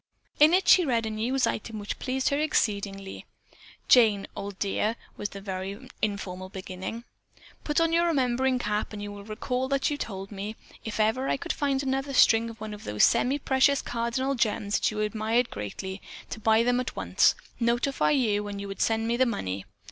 In it she read a news item which pleased her exceedingly. "Jane, old dear" was the very informal beginning. "Put on your remembering cap and you will recall that you told me, if ever I could find another string of those semi precious cardinal gems that you so greatly admired, to buy them at once, notify you and you would send me the money.